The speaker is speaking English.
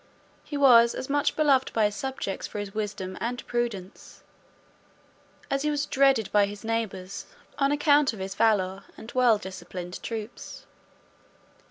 He was as much beloved by his subjects for his wisdom and prudence, as he was dreaded by his neighbours, on account of his velour, and well disciplined troops.